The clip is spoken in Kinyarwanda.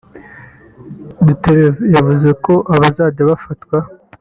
Duterte yavuze ko abazajya bafatwa